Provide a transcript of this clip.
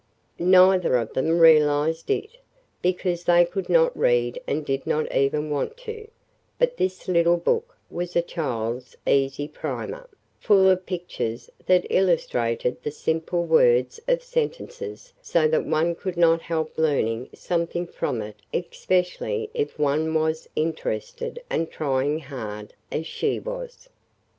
Neither of them realized it, because they could not read and did not even want to, but this little book was a child's easy primer, full of pictures that illustrated the simple words of sentences so that one could not help learning something from it especially if one was interested and trying hard, as she was.